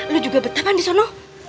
lo juga betapan di sono